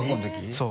そう。